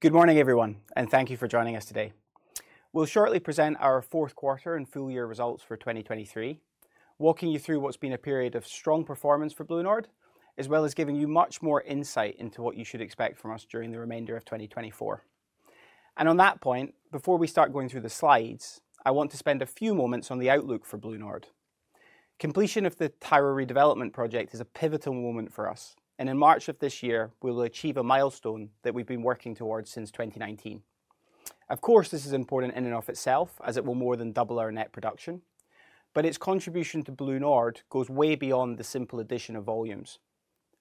Good morning, everyone, and thank you for joining us today. We'll shortly present our fourth quarter and full-year results for 2023, walking you through what's been a period of strong performance for BlueNord, as well as giving you much more insight into what you should expect from us during the remainder of 2024. On that point, before we start going through the slides, I want to spend a few moments on the outlook for BlueNord. Completion of the Tyra redevelopment project is a pivotal moment for us, and in March of this year, we will achieve a milestone that we've been working towards since 2019. Of course, this is important in and of itself, as it will more than double our net production, but its contribution to BlueNord goes way beyond the simple addition of volumes.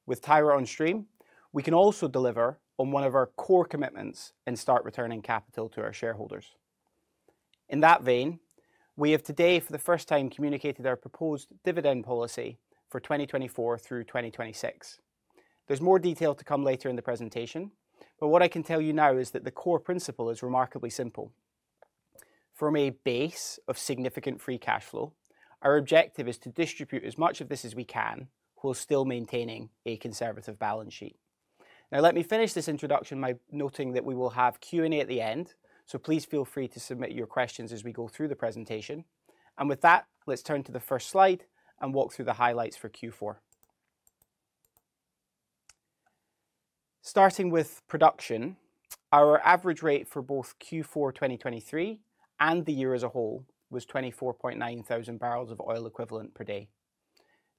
With Tyra on stream, we can also deliver on one of our core commitments in starting to return capital to our shareholders. In that vein, we have today, for the first time, communicated our proposed dividend policy for 2024 through 2026. There's more detail to come later in the presentation, but what I can tell you now is that the core principle is remarkably simple. From a base of significant free cash flow, our objective is to distribute as much of this as we can, while still maintaining a conservative balance sheet. Now, let me finish this introduction by noting that we will have Q&A at the end, so please feel free to submit your questions as we go through the presentation. With that, let's turn to the first slide and walk through the highlights for Q4. Starting with production, our average rate for both Q4 2023 and the year as a whole was 24,900 bbls of oil equivalent per day.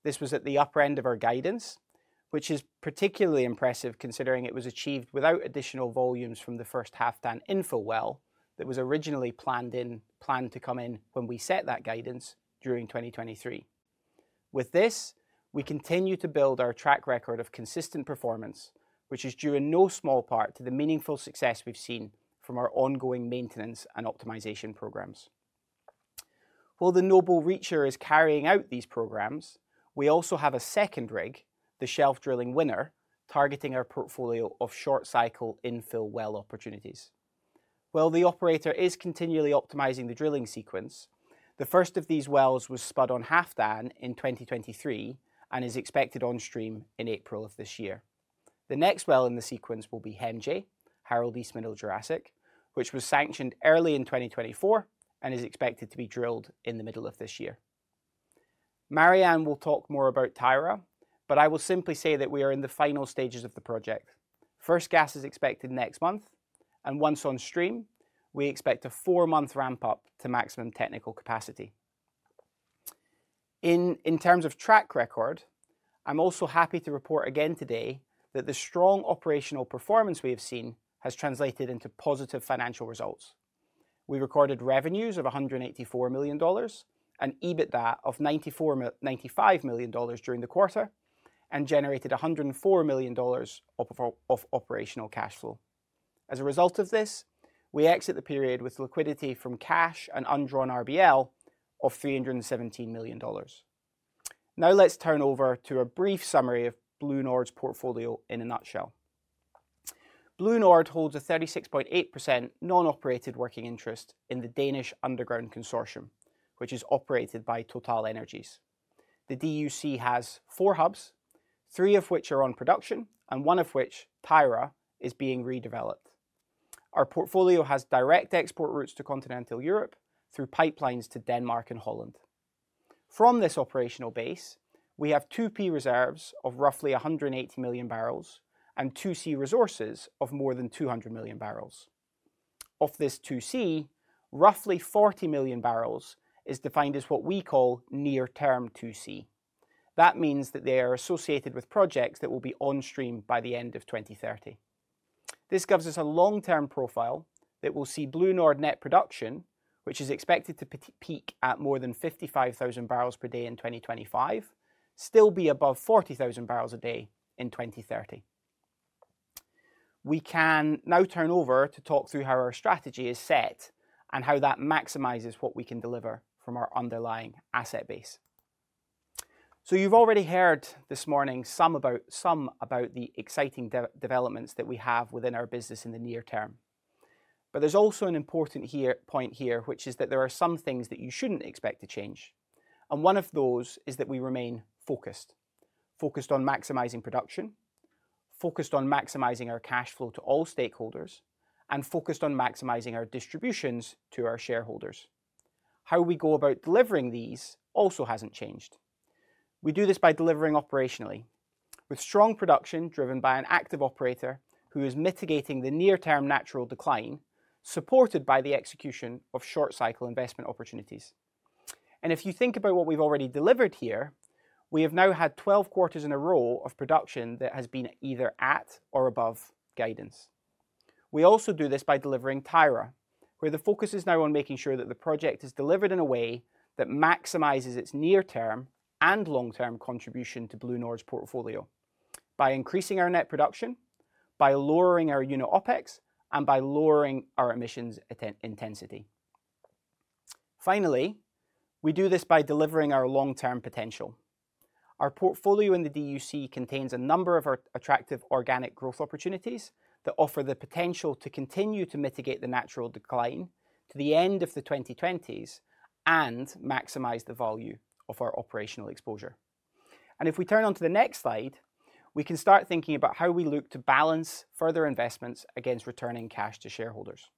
This was at the upper end of our guidance, which is particularly impressive considering it was achieved without additional volumes from the first Halfdan infill well that was originally planned to come in when we set that guidance during 2023. With this, we continue to build our track record of consistent performance, which is due in no small part to the meaningful success we've seen from our ongoing maintenance and optimization programs. While the Noble Reacher is carrying out these programs, we also have a second rig, the Shelf Drilling Winner, targeting our portfolio of short-cycle infill well opportunities. While the operator is continually optimizing the drilling sequence, the first of these wells was spud on Halfdan in 2023 and is expected on stream in April of this year. The next well in the sequence will be HEMJ, Harald East Middle Jurassic, which was sanctioned early in 2024 and is expected to be drilled in the middle of this year. Marianne will talk more about Tyra, but I will simply say that we are in the final stages of the project. First gas is expected next month, and once on stream, we expect a four-month ramp-up to maximum technical capacity. In terms of track record, I'm also happy to report again today that the strong operational performance we have seen has translated into positive financial results. We recorded revenues of $184 million and EBITDA of $95 million during the quarter and generated $104 million of operational cash flow. As a result of this, we exit the period with liquidity from cash and undrawn RBL of $317 million. Now let's turn over to a brief summary of BlueNord's portfolio in a nutshell. BlueNord holds a 36.8% non-operated working interest in the Danish Underground Consortium, which is operated by TotalEnergies. The DUC has four hubs, three of which are on production and one of which, Tyra, is being redeveloped. Our portfolio has direct export routes to continental Europe through pipelines to Denmark and Holland. From this operational base, we have 2P reserves of roughly 180 million bbls and 2C resources of more than 200 million bbls. Of this 2C, roughly 40 million bbls is defined as what we call near-term 2C. That means that they are associated with projects that will be on stream by the end of 2030. This gives us a long-term profile that will see BlueNord net production, which is expected to peak at more than 55,000 bbls per day in 2025, still be above 40,000 bbls a day in 2030. We can now turn over to talk through how our strategy is set and how that maximizes what we can deliver from our underlying asset base. So you've already heard this morning some about the exciting developments that we have within our business in the near term. But there's also an important point here, which is that there are some things that you shouldn't expect to change. One of those is that we remain focused, focused on maximizing production, focused on maximizing our cash flow to all stakeholders, and focused on maximizing our distributions to our shareholders. How we go about delivering these also hasn't changed. We do this by delivering operationally, with strong production driven by an active operator who is mitigating the near-term natural decline, supported by the execution of short-cycle investment opportunities. And if you think about what we've already delivered here, we have now had 12 quarters in a row of production that has been either at or above guidance. We also do this by delivering Tyra, where the focus is now on making sure that the project is delivered in a way that maximizes its near-term and long-term contribution to BlueNord's portfolio by increasing our net production, by lowering our unit OpEx, and by lowering our emissions intensity. Finally, we do this by delivering our long-term potential. Our portfolio in the DUC contains a number of attractive organic growth opportunities that offer the potential to continue to mitigate the natural decline to the end of the 2020s and maximize the value of our operational exposure. If we turn onto the next slide, we can start thinking about how we look to balance further investments against returning cash to shareholders.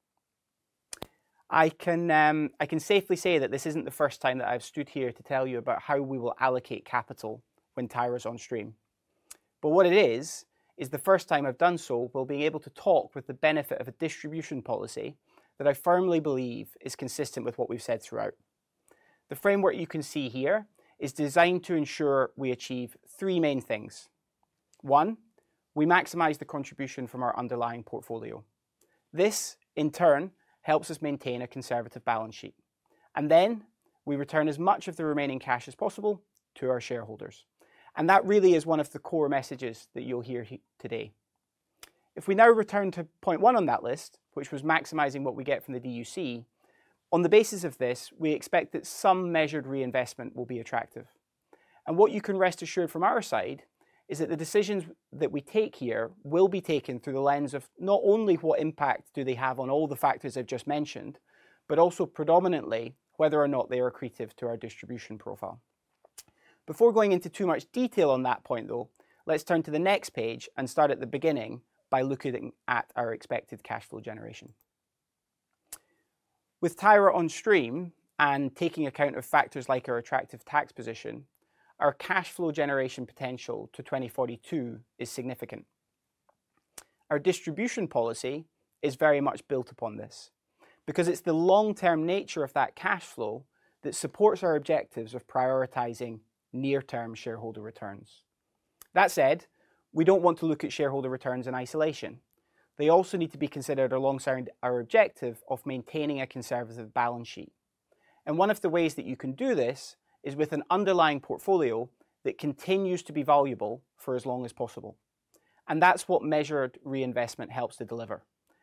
I can safely say that this isn't the first time that I've stood here to tell you about how we will allocate capital when Tyra's on stream. But what it is, is the first time I've done so, we'll be able to talk with the benefit of a distribution policy that I firmly believe is consistent with what we've said throughout. The framework you can see here is designed to ensure we achieve three main things. One, we maximize the contribution from our underlying portfolio. This, in turn, helps us maintain a conservative balance sheet. And then we return as much of the remaining cash as possible to our shareholders. And that really is one of the core messages that you'll hear today. If we now return to point one on that list, which was maximizing what we get from the DUC, on the basis of this, we expect that some measured reinvestment will be attractive. And what you can rest assured from our side is that the decisions that we take here will be taken through the lens of not only what impact do they have on all the factors I've just mentioned, but also predominantly whether or not they are accretive to our distribution profile. Before going into too much detail on that point, though, let's turn to the next page and start at the beginning by looking at our expected cash flow generation. With Tyra on stream and taking account of factors like our attractive tax position, our cash flow generation potential to 2042 is significant. Our distribution policy is very much built upon this because it's the long-term nature of that cash flow that supports our objectives of prioritizing near-term shareholder returns. That said, we don't want to look at shareholder returns in isolation. They also need to be considered alongside our objective of maintaining a conservative balance sheet. One of the ways that you can do this is with an underlying portfolio that continues to be valuable for as long as possible. That's what measured reinvestment helps to deliver.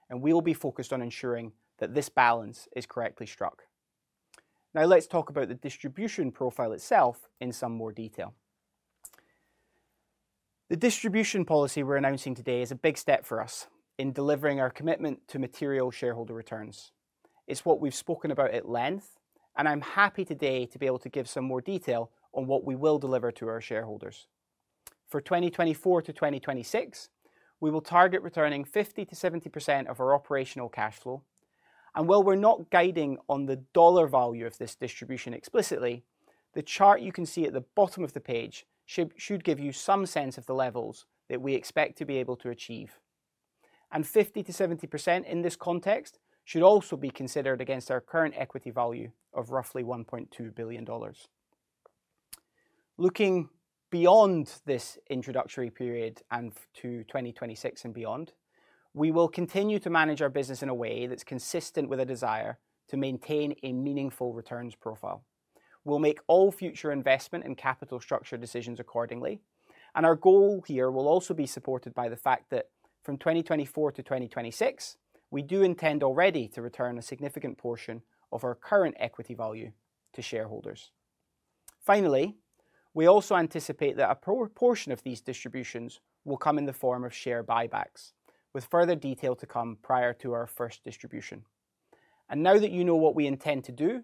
We'll be focused on ensuring that this balance is correctly struck. Now let's talk about the distribution profile itself in some more detail. The distribution policy we're announcing today is a big step for us in delivering our commitment to material shareholder returns. It's what we've spoken about at length, and I'm happy today to be able to give some more detail on what we will deliver to our shareholders. For 2024-2026, we will target returning 50%-70% of our operational cash flow. And while we're not guiding on the dollar value of this distribution explicitly, the chart you can see at the bottom of the page should give you some sense of the levels that we expect to be able to achieve. And 50%-70% in this context should also be considered against our current equity value of roughly $1.2 billion. Looking beyond this introductory period and to 2026 and beyond, we will continue to manage our business in a way that's consistent with a desire to maintain a meaningful returns profile. We'll make all future investment and capital structure decisions accordingly. Our goal here will also be supported by the fact that from 2024-2026, we do intend already to return a significant portion of our current equity value to shareholders. Finally, we also anticipate that a proportion of these distributions will come in the form of share buybacks, with further detail to come prior to our first distribution. Now that you know what we intend to do,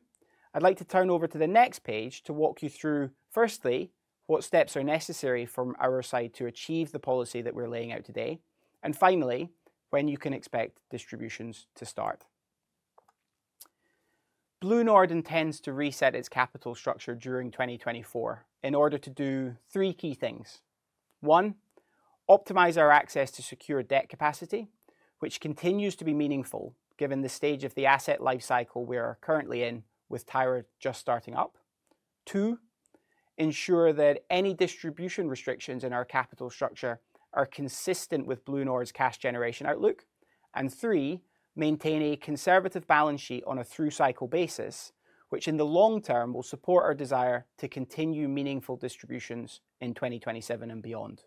I'd like to turn over to the next page to walk you through, firstly, what steps are necessary from our side to achieve the policy that we're laying out today, and finally, when you can expect distributions to start. BlueNord intends to reset its capital structure during 2024 in order to do three key things. One, optimize our access to secure debt capacity, which continues to be meaningful given the stage of the asset lifecycle we are currently in with Tyra just starting up. Two, ensure that any distribution restrictions in our capital structure are consistent with BlueNord's cash generation outlook. And three, maintain a conservative balance sheet on a through-cycle basis, which in the long term will support our desire to continue meaningful distributions in 2027 and beyond.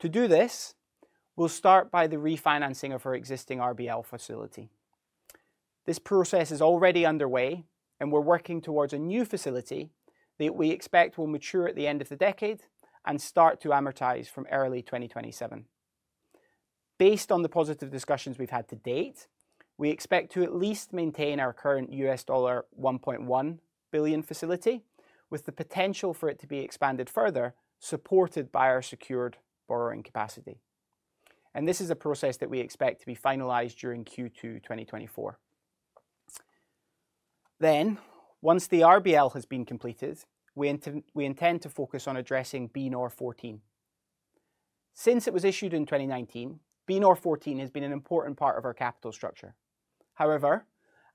To do this, we'll start by the refinancing of our existing RBL facility. This process is already underway, and we're working towards a new facility that we expect will mature at the end of the decade and start to amortize from early 2027. Based on the positive discussions we've had to date, we expect to at least maintain our current $1.1 billion facility, with the potential for it to be expanded further supported by our secured borrowing capacity. This is a process that we expect to be finalized during Q2 2024. Once the RBL has been completed, we intend to focus on addressing BNOR14. Since it was issued in 2019, BNOR14 has been an important part of our capital structure. However,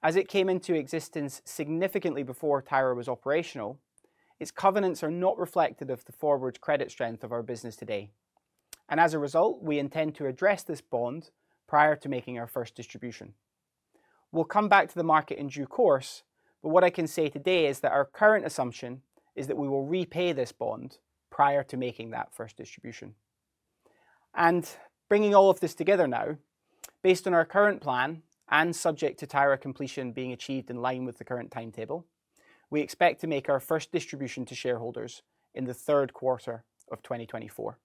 as it came into existence significantly before Tyra was operational, its covenants are not reflective of the forward credit strength of our business today. As a result, we intend to address this bond prior to making our first distribution. We'll come back to the market in due course, but what I can say today is that our current assumption is that we will repay this bond prior to making that first distribution. Bringing all of this together now, based on our current plan and subject to Tyra completion being achieved in line with the current timetable, we expect to make our first distribution to shareholders in the third quarter of 2024.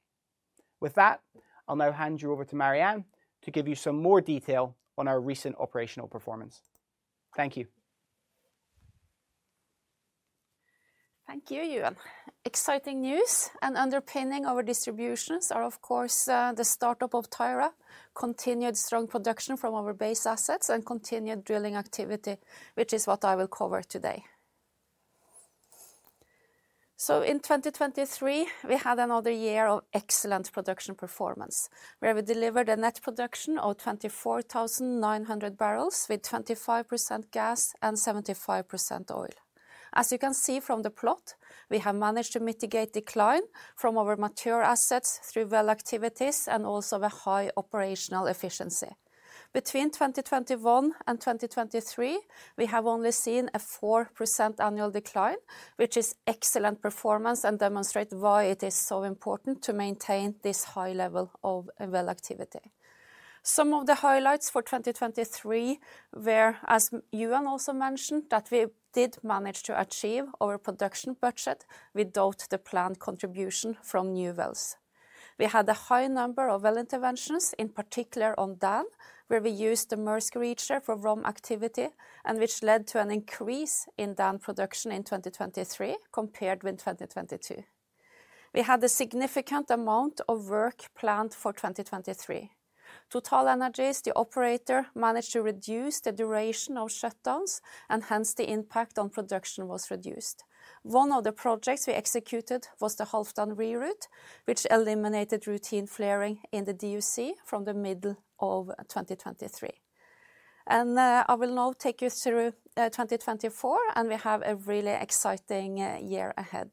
With that, I'll now hand you over to Marianne to give you some more detail on our recent operational performance. Thank you. Thank you, Euan. Exciting news and underpinning of our distributions are, of course, the startup of Tyra, continued strong production from our base assets, and continued drilling activity, which is what I will cover today. So in 2023, we had another year of excellent production performance, where we delivered a net production of 24,900 bbls with 25% gas and 75% oil. As you can see from the plot, we have managed to mitigate decline from our mature assets through well activities and also a high operational efficiency. Between 2021 and 2023, we have only seen a 4% annual decline, which is excellent performance and demonstrates why it is so important to maintain this high level of well activity. Some of the highlights for 2023 were, as Euan also mentioned, that we did manage to achieve our production budget without the planned contribution from new wells. We had a high number of well interventions, in particular on Dan, where we used the Noble Reacher for R&M activity, and which led to an increase in Dan production in 2023 compared with 2022. We had a significant amount of work planned for 2023. TotalEnergies, the operator, managed to reduce the duration of shutdowns, and hence the impact on production was reduced. One of the projects we executed was the Halfdan Reroute, which eliminated routine flaring in the DUC from the middle of 2023. I will now take you through 2024, and we have a really exciting year ahead.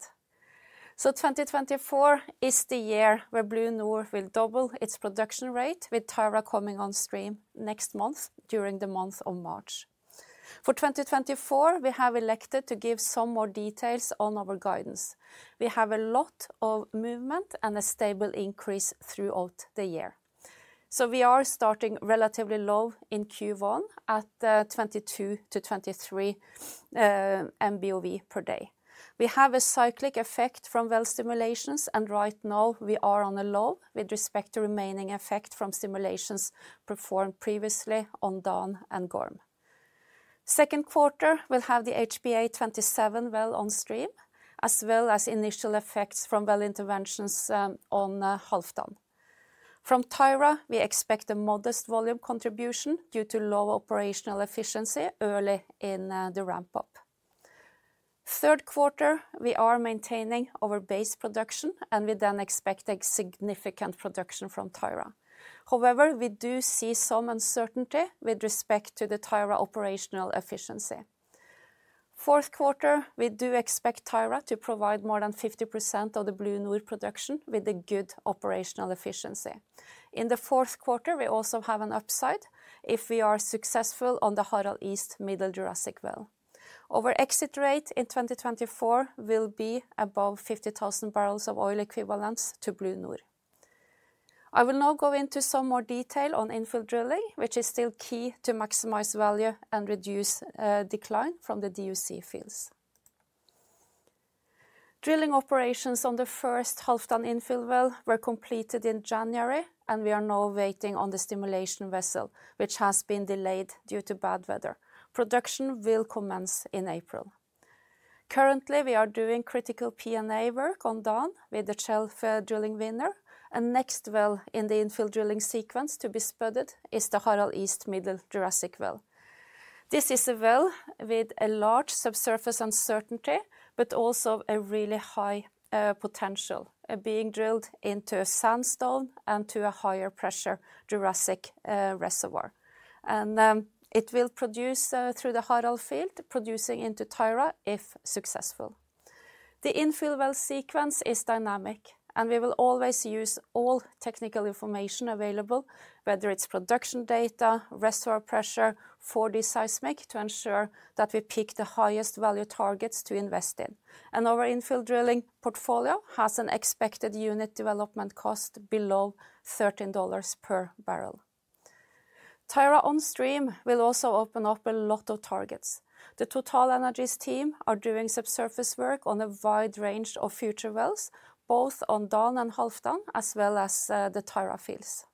2024 is the year where BlueNord will double its production rate with Tyra coming on stream next month during the month of March. For 2024, we have elected to give some more details on our guidance. We have a lot of movement and a stable increase throughout the year. So we are starting relatively low in Q1 at 22-23MBOE per day. We have a cyclic effect from well stimulations, and right now we are on a low with respect to remaining effect from stimulations performed previously on Dan and Gorm. Second quarter, we'll have the HBA-27 well on stream, as well as initial effects from well interventions on Halfdan. From Tyra, we expect a modest volume contribution due to low operational efficiency early in the ramp-up. Third quarter, we are maintaining our base production, and we then expect a significant production from Tyra. However, we do see some uncertainty with respect to the Tyra operational efficiency. Fourth quarter, we do expect Tyra to provide more than 50% of the BlueNord production with a good operational efficiency. In the fourth quarter, we also have an upside if we are successful on the Harald East Middle Jurassic well. Our exit rate in 2024 will be above 50,000 bbls of oil equivalents to BlueNord. I will now go into some more detail on infill drilling, which is still key to maximize value and reduce decline from the DUC fields. Drilling operations on the first Halfdan infill well were completed in January, and we are now waiting on the stimulation vessel, which has been delayed due to bad weather. Production will commence in April. Currently, we are doing critical P&A work on Dan with the Shelf Drilling Winner. A next well in the infill drilling sequence to be spotted is the Harald East Middle Jurassic well. This is a well with a large subsurface uncertainty, but also a really high potential, being drilled into a sandstone and to a higher pressure Jurassic reservoir. It will produce through the Harald field, producing into Tyra if successful. The infill well sequence is dynamic, and we will always use all technical information available, whether it's production data, reservoir pressure, for the seismic, to ensure that we pick the highest value targets to invest in. Our infill drilling portfolio has an expected unit development cost below $13 per barrel. Tyra on stream will also open up a lot of targets. The TotalEnergies team are doing subsurface work on a wide range of future wells, both on Dan and Halfdan, as well as the Tyra fields.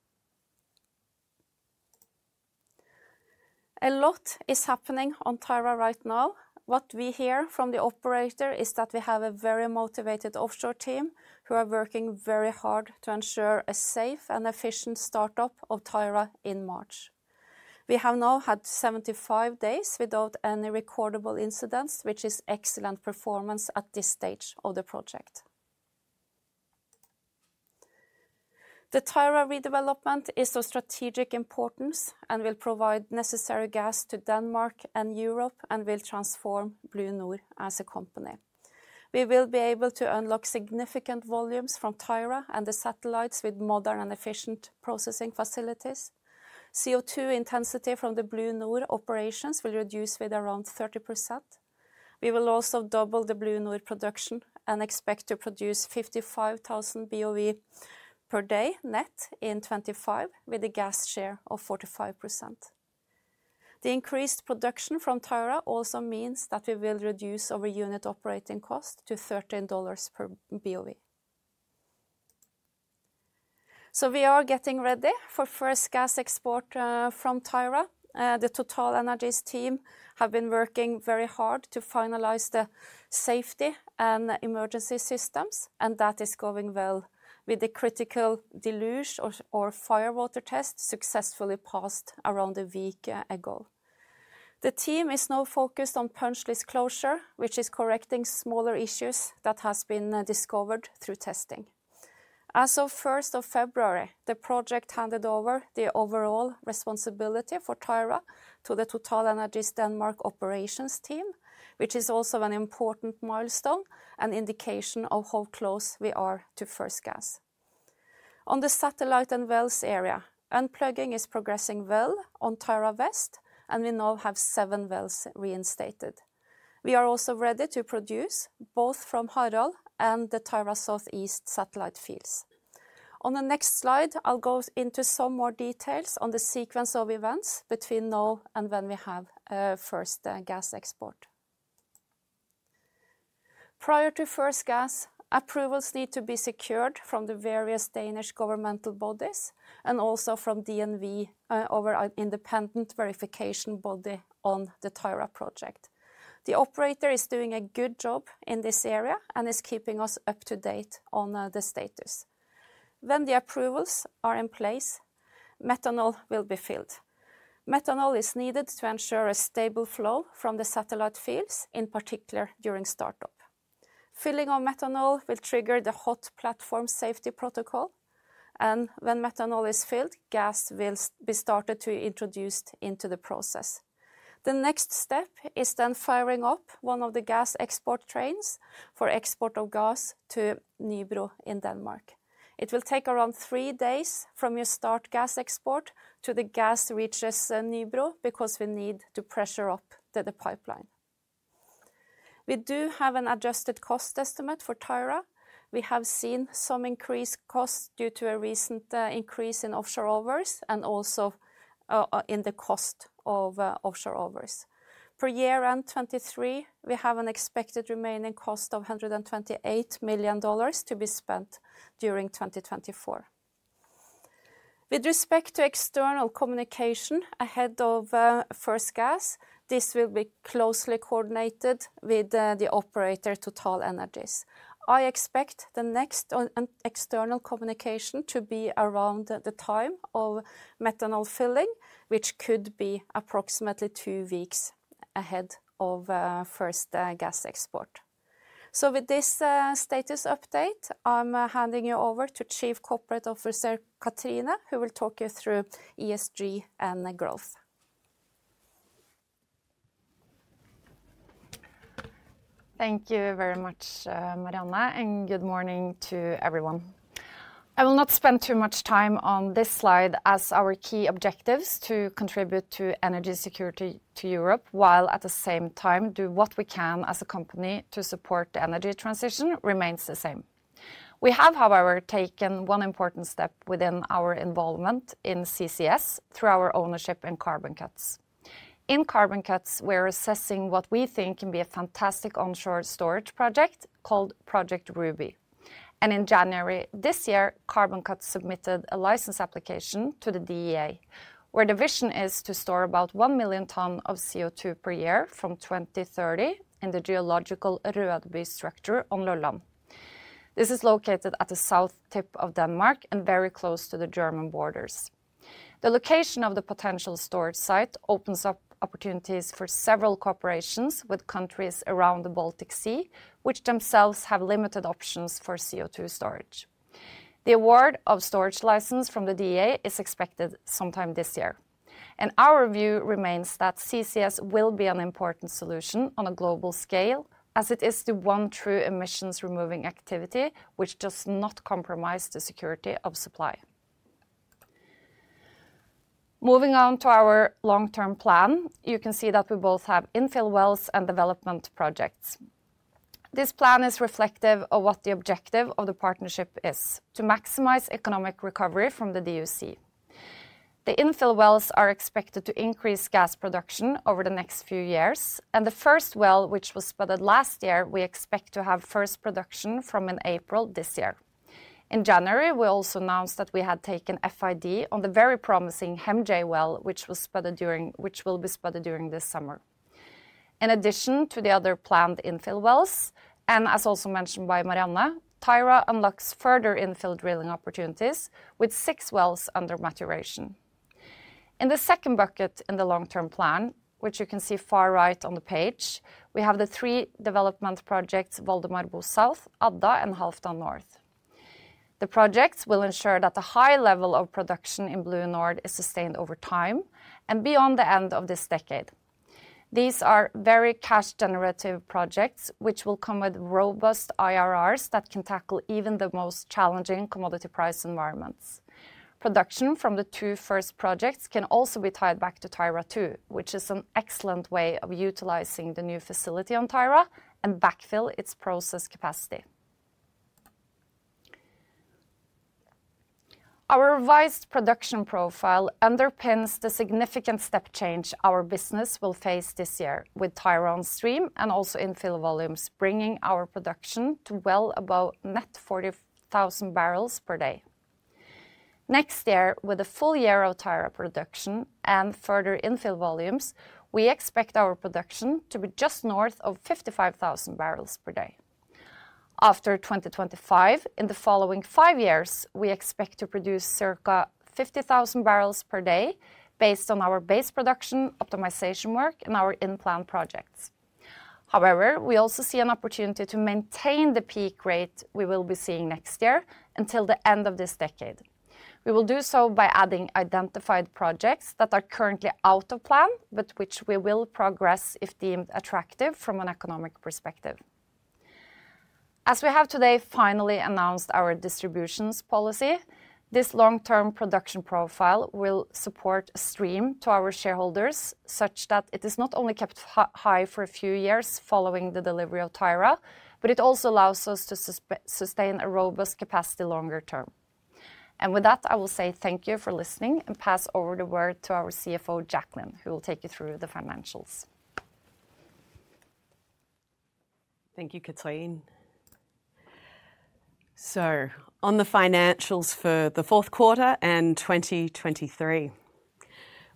A lot is happening on Tyra right now. What we hear from the operator is that we have a very motivated offshore team who are working very hard to ensure a safe and efficient startup of Tyra in March. We have now had 75 days without any recordable incidents, which is excellent performance at this stage of the project. The Tyra redevelopment is of strategic importance and will provide necessary gas to Denmark and Europe and will transform BlueNord as a company. We will be able to unlock significant volumes from Tyra and the satellites with modern and efficient processing facilities. CO2 intensity from the BlueNord operations will reduce with around 30%. We will also double the BlueNord production and expect to produce 55,000 boe per day net in 2025 with a gas share of 45%. The increased production from Tyra also means that we will reduce our unit operating cost to $13 per boe. So we are getting ready for first gas export from Tyra. The TotalEnergies team have been working very hard to finalize the safety and emergency systems, and that is going well with the critical deluge or firewater test successfully passed around a week ago. The team is now focused on punch list closure, which is correcting smaller issues that have been discovered through testing. As of 1 February, the project handed over the overall responsibility for Tyra to the TotalEnergies Denmark operations team, which is also an important milestone and indication of how close we are to first gas. On the satellite and wells area, unplugging is progressing well on Tyra West, and we now have seven wells reinstated. We are also ready to produce both from Harald and the Tyra Southeast satellite fields. On the next slide, I'll go into some more details on the sequence of events between now and when we have first gas export. Prior to first gas, approvals need to be secured from the various Danish governmental bodies and also from DNV, our independent verification body on the Tyra project. The operator is doing a good job in this area and is keeping us up to date on the status. When the approvals are in place, methanol will be filled. Methanol is needed to ensure a stable flow from the satellite fields, in particular during startup. Filling of methanol will trigger the Hot Platform Safety Protocol. When methanol is filled, gas will be started to be introduced into the process. The next step is firing up one of the gas export trains for export of gas to Nybro in Denmark. It will take around three days from your start gas export to the gas reaches Nybro because we need to pressure up the pipeline. We do have an adjusted cost estimate for Tyra. We have seen some increased costs due to a recent increase in offshore hours and also in the cost of offshore hours. Per year-end 2023, we have an expected remaining cost of $128 million to be spent during 2024. With respect to external communication ahead of first gas, this will be closely coordinated with the operator, TotalEnergies. I expect the next external communication to be around the time of methanol filling, which could be approximately two weeks ahead of first gas export. So with this status update, I'm handing you over to Chief Corporate Officer Cathrine, who will talk you through ESG and growth. Thank you very much, Marianne, and good morning to everyone. I will not spend too much time on this slide as our key objectives to contribute to energy security to Europe, while at the same time, do what we can as a company to support the energy transition remains the same. We have, however, taken one important step within our involvement in CCS through our ownership in CarbonCuts. In CarbonCuts, we are assessing what we think can be a fantastic onshore storage project called Project Ruby. And in January this year, CarbonCuts submitted a license application to the DEA, where the vision is to store about 1 million tonnes of CO2 per year from 2030 in the geological Rødby structure on Lolland. This is located at the south tip of Denmark and very close to the German borders. The location of the potential storage site opens up opportunities for several cooperations with countries around the Baltic Sea, which themselves have limited options for CO2 storage. The award of storage license from the DEA is expected sometime this year. Our view remains that CCS will be an important solution on a global scale, as it is the one true emissions-removing activity, which does not compromise the security of supply. Moving on to our long-term plan, you can see that we both have infill wells and development projects. This plan is reflective of what the objective of the partnership is: to maximize economic recovery from the DUC. The infill wells are expected to increase gas production over the next few years, and the first well, which was spudded last year, we expect to have first production from in April this year. In January, we also announced that we had taken FID on the very promising HEMJ well, which will be spudded during this summer. In addition to the other planned infill wells, and as also mentioned by Marianne, Tyra unlocks further infill drilling opportunities with six wells under maturation. In the second bucket in the long-term plan, which you can see far right on the page, we have the three development projects: Valdemar Bo South, Adda, and Halfdan North. The projects will ensure that a high level of production in BlueNord is sustained over time and beyond the end of this decade. These are very cash-generative projects, which will come with robust IRRs that can tackle even the most challenging commodity price environments. Production from the two first projects can also be tied back to Tyra too, which is an excellent way of utilizing the new facility on Tyra and backfill its process capacity. Our revised production profile underpins the significant step change our business will face this year with Tyra on stream and also infill volumes bringing our production to well above net 40,000 bbls per day. Next year, with a full year of Tyra production and further infill volumes, we expect our production to be just north of 55,000 bbls per day. After 2025, in the following five years, we expect to produce circa 50,000 bbls per day based on our base production optimization work and our in-plan projects. However, we also see an opportunity to maintain the peak rate we will be seeing next year until the end of this decade. We will do so by adding identified projects that are currently out of plan, but which we will progress if deemed attractive from an economic perspective. As we have today finally announced our distributions policy, this long-term production profile will support a stream to our shareholders such that it is not only kept high for a few years following the delivery of Tyra, but it also allows us to sustain a robust capacity longer term. And with that, I will say thank you for listening and pass over the word to our CFO, Jacqueline, who will take you through the financials. Thank you, Cathrine. So on the financials for the fourth quarter and 2023,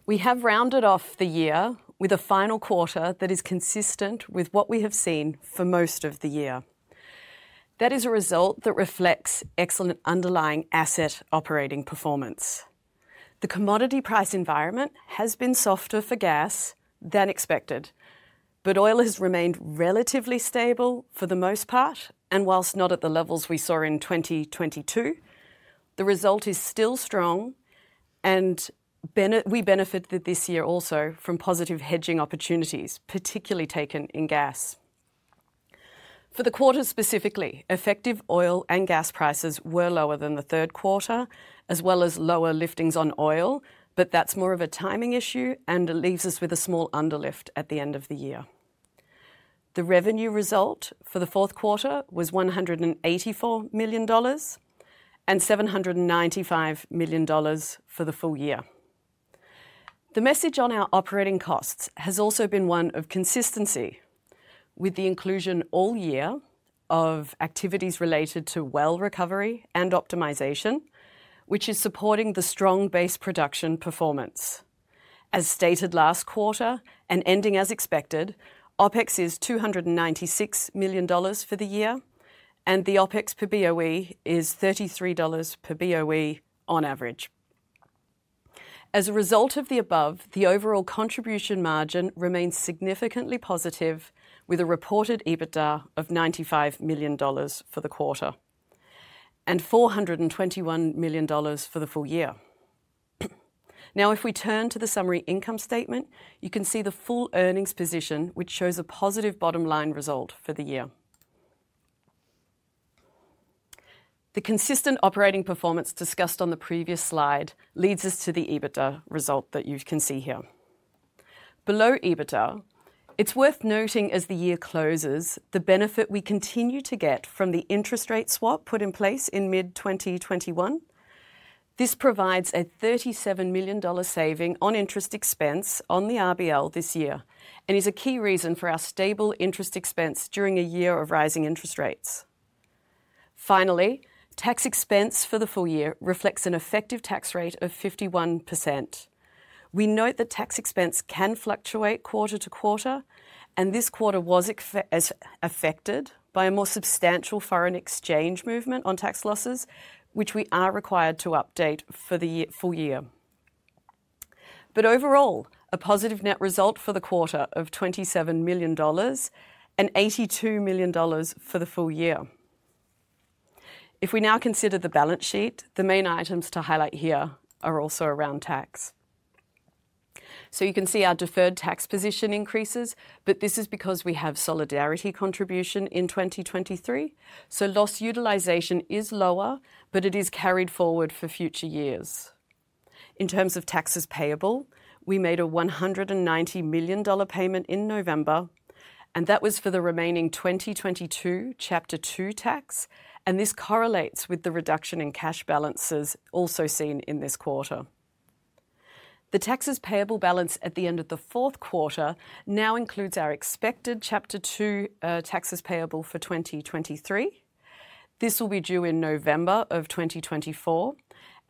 we have rounded off the year with a final quarter that is consistent with what we have seen for most of the year. That is a result that reflects excellent underlying asset operating performance. The commodity price environment has been softer for gas than expected, but oil has remained relatively stable for the most part. And while not at the levels we saw in 2022, the result is still strong, and we benefited this year also from positive hedging opportunities, particularly taken in gas. For the quarter specifically, effective oil and gas prices were lower than the third quarter, as well as lower liftings on oil. But that's more of a timing issue and leaves us with a small underlift at the end of the year. The revenue result for the fourth quarter was $184 million and $795 million for the full year. The message on our operating costs has also been one of consistency, with the inclusion all year of activities related to well recovery and optimization, which is supporting the strong base production performance. As stated last quarter and ending as expected, OpEx is $296 million for the year, and the OpEx per BOE is $33 per BOE on average. As a result of the above, the overall contribution margin remains significantly positive, with a reported EBITDA of $95 million for the quarter and $421 million for the full year. Now, if we turn to the summary income statement, you can see the full earnings position, which shows a positive bottom line result for the year. The consistent operating performance discussed on the previous slide leads us to the EBITDA result that you can see here. Below EBITDA, it's worth noting as the year closes, the benefit we continue to get from the interest rate swap put in place in mid-2021. This provides a $37 million saving on interest expense on the RBL this year and is a key reason for our stable interest expense during a year of rising interest rates. Finally, tax expense for the full year reflects an effective tax rate of 51%. We note that tax expense can fluctuate quarter to quarter, and this quarter was affected by a more substantial foreign exchange movement on tax losses, which we are required to update for the full year. But overall, a positive net result for the quarter of $27 million and $82 million for the full year. If we now consider the balance sheet, the main items to highlight here are also around tax. So you can see our deferred tax position increases, but this is because we have Solidarity Contribution in 2023. So loss utilization is lower, but it is carried forward for future years. In terms of taxes payable, we made a $190 million payment in November, and that was for the remaining 2022 Chapter Two Tax. And this correlates with the reduction in cash balances also seen in this quarter. The taxes payable balance at the end of the fourth quarter now includes our expected Chapter Two taxes payable for 2023. This will be due in November of 2024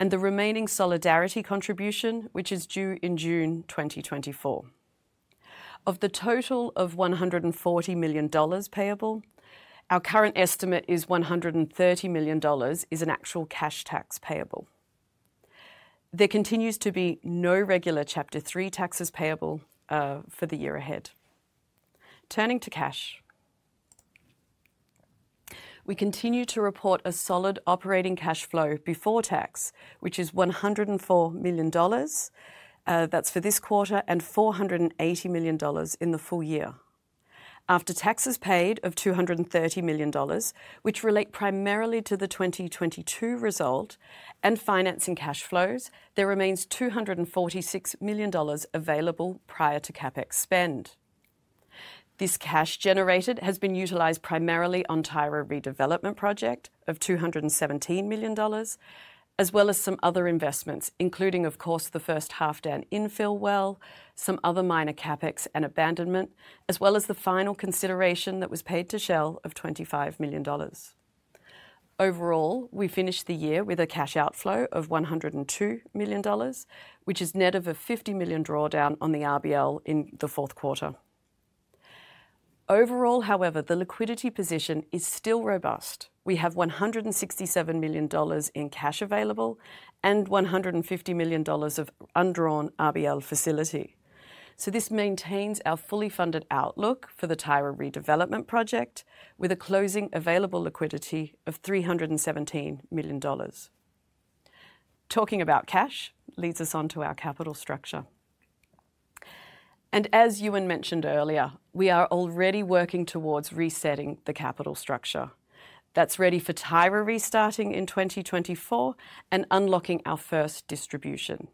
and the remaining Solidarity Contribution, which is due in June 2024. Of the total of $140 million payable, our current estimate is $130 million is an actual cash tax payable. There continues to be no regular Chapter Three taxes payable for the year ahead. Turning to cash, we continue to report a solid operating cash flow before tax, which is $104 million. That's for this quarter and $480 million in the full year. After taxes paid of $230 million, which relate primarily to the 2022 result and financing cash flows, there remains $246 million available prior to CapEx spend. This cash generated has been utilized primarily on Tyra redevelopment project of $217 million, as well as some other investments, including, of course, the first Halfdan infill well, some other minor CapEx and abandonment, as well as the final consideration that was paid to Shell of $25 million. Overall, we finished the year with a cash outflow of $102 million, which is net of a $50 million drawdown on the RBL in the fourth quarter. Overall, however, the liquidity position is still robust. We have $167 million in cash available and $150 million of undrawn RBL facility. This maintains our fully funded outlook for the Tyra redevelopment project, with a closing available liquidity of $317 million. Talking about cash leads us on to our capital structure. As Euan mentioned earlier, we are already working towards resetting the capital structure that's ready for Tyra restarting in 2024 and unlocking our first distribution.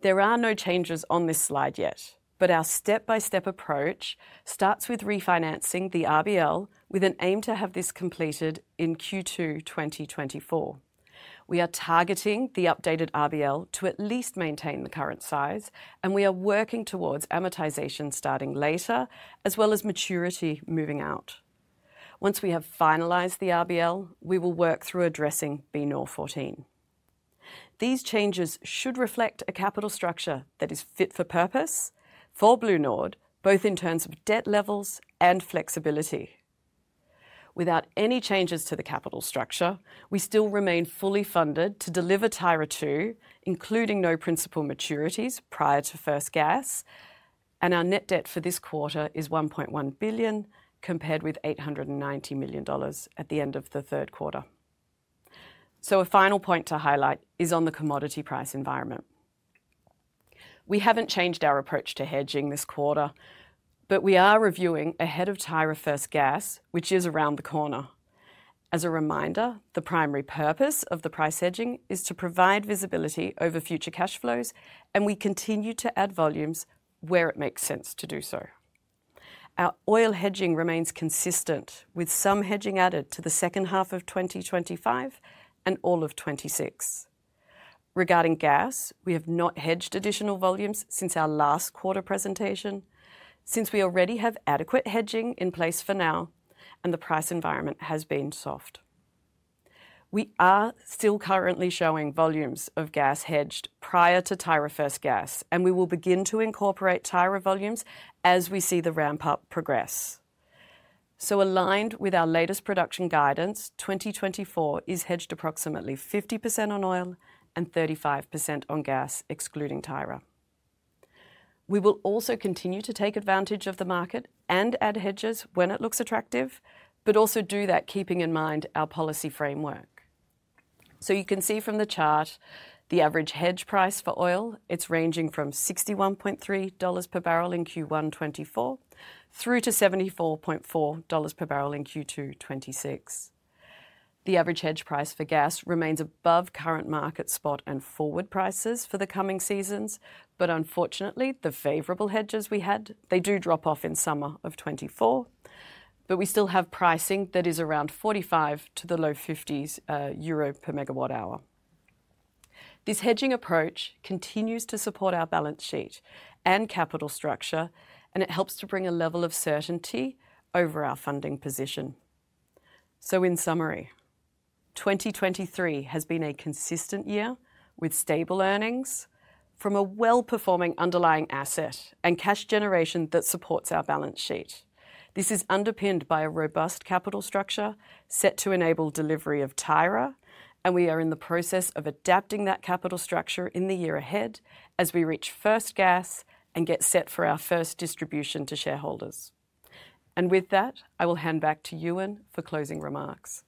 There are no changes on this slide yet, but our step-by-step approach starts with refinancing the RBL with an aim to have this completed in Q2 2024. We are targeting the updated RBL to at least maintain the current size, and we are working towards amortization starting later, as well as maturity moving out. Once we have finalized the RBL, we will work through addressing BNOR14. These changes should reflect a capital structure that is fit for purpose for BlueNord, both in terms of debt levels and flexibility. Without any changes to the capital structure, we still remain fully funded to deliver Tyra II, including no principal maturities prior to first gas. Our net debt for this quarter is $1.1 billion compared with $890 million at the end of the third quarter. A final point to highlight is on the commodity price environment. We haven't changed our approach to hedging this quarter, but we are reviewing ahead of Tyra first gas, which is around the corner. As a reminder, the primary purpose of the price hedging is to provide visibility over future cash flows, and we continue to add volumes where it makes sense to do so. Our oil hedging remains consistent, with some hedging added to the second half of 2025 and all of 2026. Regarding gas, we have not hedged additional volumes since our last quarter presentation, since we already have adequate hedging in place for now, and the price environment has been soft. We are still currently showing volumes of gas hedged prior to Tyra first gas, and we will begin to incorporate Tyra volumes as we see the ramp-up progress. So aligned with our latest production guidance, 2024 is hedged approximately 50% on oil and 35% on gas, excluding Tyra. We will also continue to take advantage of the market and add hedges when it looks attractive, but also do that keeping in mind our policy framework. So you can see from the chart, the average hedge price for oil, it's ranging from $61.3 per barrel in Q1 2024 through to $74.4 per barrel in Q2 2026. The average hedge price for gas remains above current market spot and forward prices for the coming seasons. But unfortunately, the favorable hedges we had, they do drop off in summer of 2024, but we still have pricing that is around 45 to the low 50s per megawatt hour. This hedging approach continues to support our balance sheet and capital structure, and it helps to bring a level of certainty over our funding position. So in summary, 2023 has been a consistent year with stable earnings from a well-performing underlying asset and cash generation that supports our balance sheet. This is underpinned by a robust capital structure set to enable delivery of Tyra, and we are in the process of adapting that capital structure in the year ahead as we reach first gas and get set for our first distribution to shareholders. With that, I will hand back to Euan for closing remarks.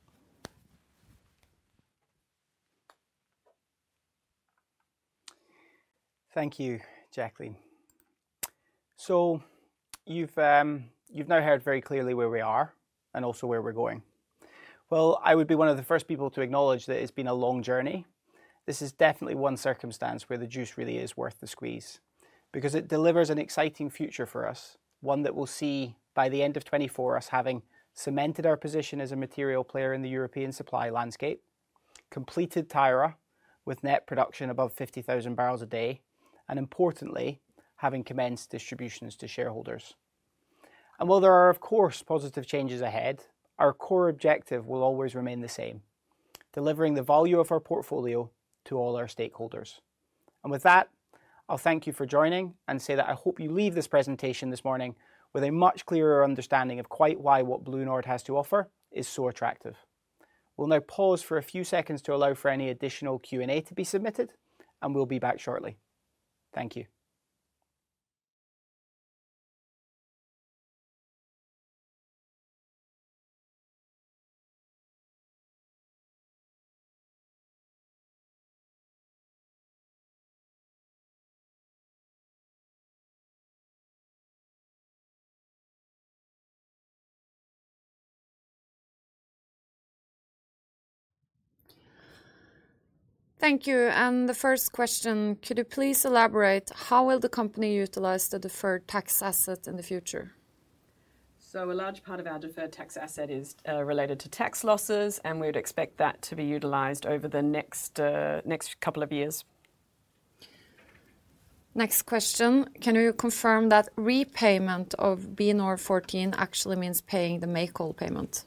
Thank you, Jacqueline. So you've now heard very clearly where we are and also where we're going. Well, I would be one of the first people to acknowledge that it's been a long journey. This is definitely one circumstance where the juice really is worth the squeeze because it delivers an exciting future for us, one that we'll see by the end of 2024 us having cemented our position as a material player in the European supply landscape, completed Tyra with net production above 50,000 bbls a day, and importantly, having commenced distributions to shareholders. And while there are, of course, positive changes ahead, our core objective will always remain the same: delivering the value of our portfolio to all our stakeholders. With that, I'll thank you for joining and say that I hope you leave this presentation this morning with a much clearer understanding of quite why what BlueNord has to offer is so attractive. We'll now pause for a few seconds to allow for any additional Q&A to be submitted, and we'll be back shortly. Thank you. Thank you. The first question, could you please elaborate how will the company utilize the deferred tax asset in the future? A large part of our deferred tax asset is related to tax losses, and we would expect that to be utilized over the next couple of years. Next question. Can you confirm that repayment of BNOR14 actually means paying the Make-Whole payment?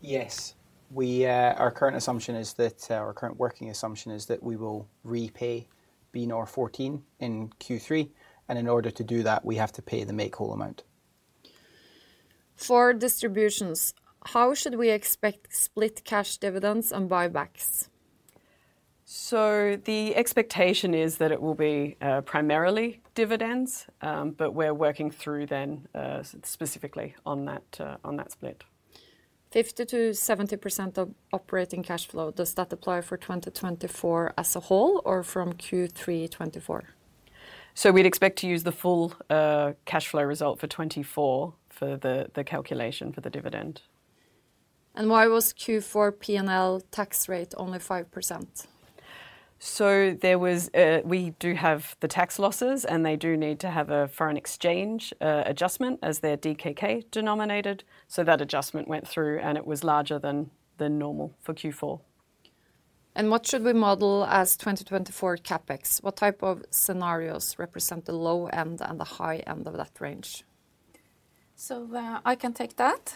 Yes. Our current assumption is that our current working assumption is that we will repay BNOR14 in Q3. In order to do that, we have to pay the Make-Whole amount. For distributions, how should we expect split cash dividends and buybacks? The expectation is that it will be primarily dividends, but we're working through them specifically on that split. 50%-70% of operating cash flow, does that apply for 2024 as a whole or from Q3 2024? We'd expect to use the full cash flow result for 2024 for the calculation for the dividend. Why was Q4 P&L tax rate only 5%? So we do have the tax losses, and they do need to have a foreign exchange adjustment as they're DKK denominated. So that adjustment went through, and it was larger than normal for Q4. What should we model as 2024 CapEx? What type of scenarios represent the low end and the high end of that range? So I can take that.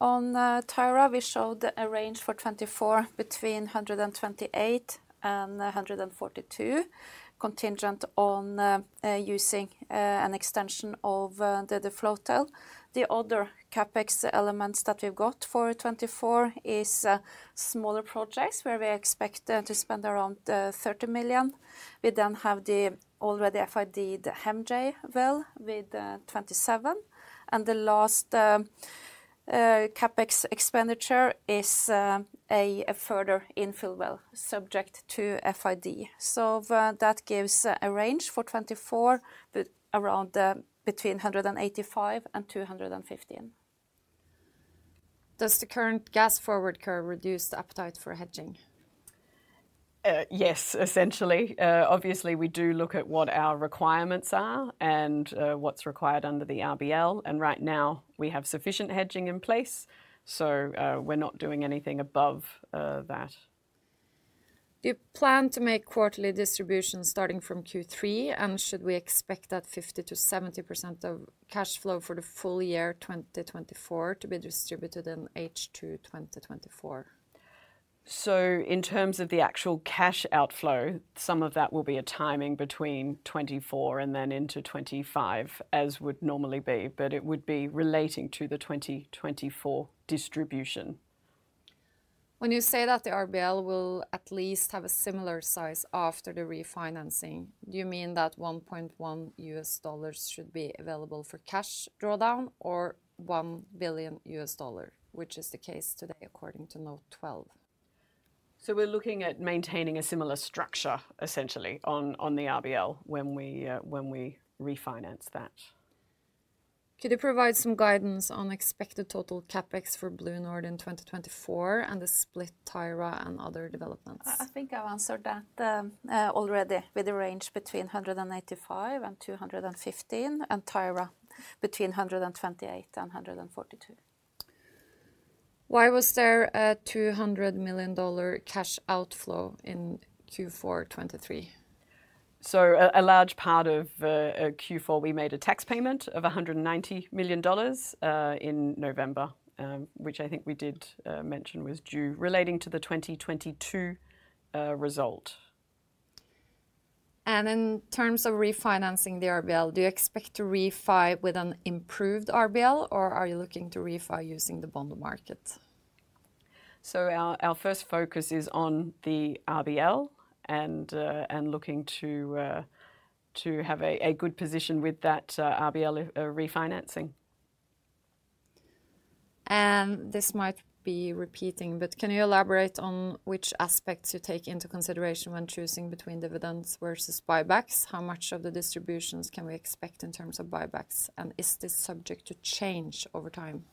On Tyra, we showed a range for 2024 between $128 million and $142 million, contingent on using an extension of the floatel. The other CapEx elements that we've got for 2024 is smaller projects where we expect to spend around $30 million. We then have the already FID'd HEMJ well with $27 million, and the last CapEx expenditure is a further infill well subject to FID. So that gives a range for 2024 around between $185 million and $215 million. Does the current gas forward curve reduce the appetite for hedging? Yes, essentially. Obviously, we do look at what our requirements are and what's required under the RBL. Right now, we have sufficient hedging in place, so we're not doing anything above that. Do you plan to make quarterly distributions starting from Q3, and should we expect that 50%-70% of cash flow for the full year 2024 to be distributed in H2 2024? So in terms of the actual cash outflow, some of that will be a timing between 2024 and then into 2025 as would normally be, but it would be relating to the 2024 distribution. When you say that the RBL will at least have a similar size after the refinancing, do you mean that $1.1 should be available for cash drawdown or $1 billion, which is the case today according to Note 12? We're looking at maintaining a similar structure, essentially, on the RBL when we refinance that. Could you provide some guidance on expected total CapEx for BlueNord in 2024 and the split Tyra and other developments? I think I answered that already with a range between $185 million-$215 million and Tyra between $128 million-$142 million. Why was there a $200 million cash outflow in Q4 2023? A large part of Q4, we made a tax payment of $190 million in November, which I think we did mention was due relating to the 2022 result. In terms of refinancing the RBL, do you expect to refi with an improved RBL, or are you looking to refi using the bond market? Our first focus is on the RBL and looking to have a good position with that RBL refinancing. This might be repeating, but can you elaborate on which aspects you take into consideration when choosing between dividends versus buybacks? How much of the distributions can we expect in terms of buybacks, and is this subject to change over time?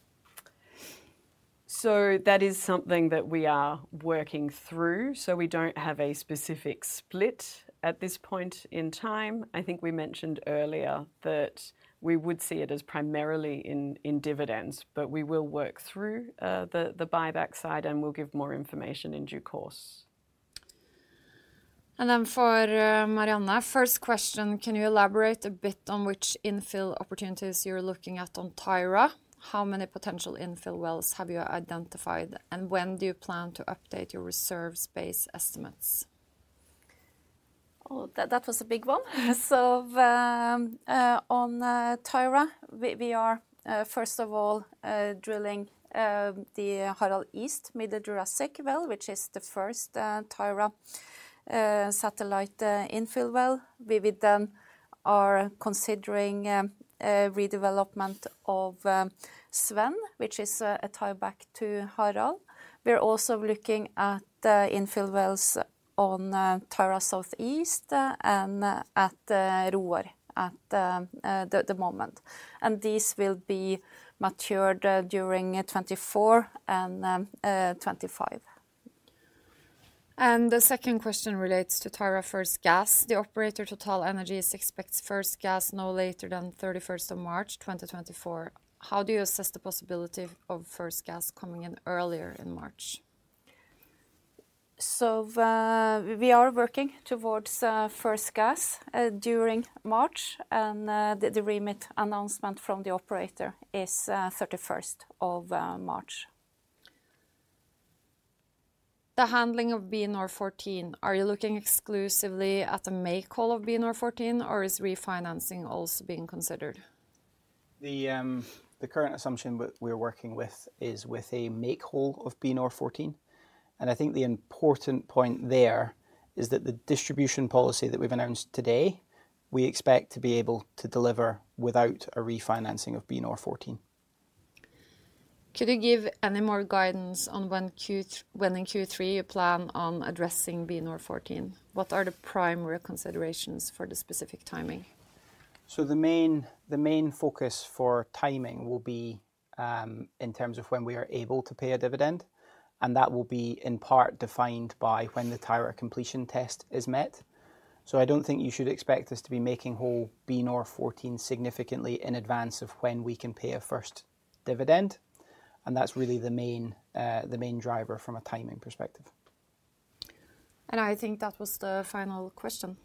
So that is something that we are working through. So we don't have a specific split at this point in time. I think we mentioned earlier that we would see it as primarily in dividends, but we will work through the buyback side, and we'll give more information in due course. Then for Marianne, first question, can you elaborate a bit on which infill opportunities you're looking at on Tyra? How many potential infill wells have you identified, and when do you plan to update your reserves base estimates? That was a big one. So on Tyra, we are, first of all, drilling the Harald East Middle Jurassic well, which is the first Tyra satellite infill well. We then are considering redevelopment of Svend, which is a tie back to Harald. We're also looking at infill wells on Tyra Southeast and at Roar at the moment. And these will be matured during 2024 and 2025. And the second question relates to Tyra first gas. The operator TotalEnergies expects first gas no later than 31st of March 2024. How do you assess the possibility of first gas coming in earlier in March? We are working towards first gas during March, and the restart announcement from the operator is 31st of March. The handling of BNOR14, are you looking exclusively at the Make-Whole of BNOR14, or is refinancing also being considered? The current assumption we're working with is with a Make-Whole of BNOR14. I think the important point there is that the distribution policy that we've announced today. We expect to be able to deliver without a refinancing of BNOR14. Could you give any more guidance on when in Q3 you plan on addressing BNOR14? What are the primary considerations for the specific timing? The main focus for timing will be in terms of when we are able to pay a dividend, and that will be in part defined by when the Tyra completion test is met. I don't think you should expect us to be making whole BNOR14 significantly in advance of when we can pay a first dividend. That's really the main driver from a timing perspective. I think that was the final question.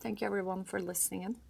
Thank you, everyone, for listening in.